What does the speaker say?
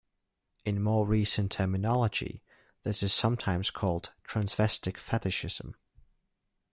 In more recent terminology, this is sometimes called transvestic fetishism.